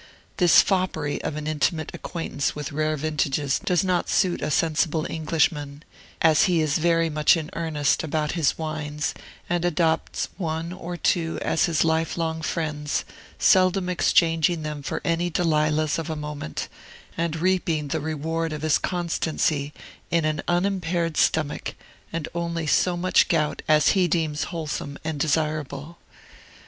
This foppery of an intimate acquaintance with rare vintages does not suit a sensible Englishman, as he is very much in earnest about his wines, and adopts one or two as his lifelong friends, seldom exchanging them for any Delilahs of a moment, and reaping the reward of his constancy in an unimpaired stomach, and only so much gout as he deems wholesome and desirable.